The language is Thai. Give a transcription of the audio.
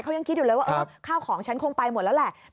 เขายังคิดอยู่เลยว่าข้าวของฉันคงไปหมดแล้วแหละ